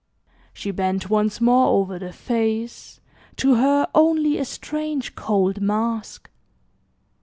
She bent once more over the face, to her only a strange cold mask.